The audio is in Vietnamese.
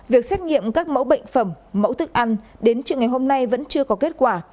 việc xét nghiệm các mẫu bệnh phẩm mẫu thức ăn đến trường ngày hôm nay vẫn chưa có kết quả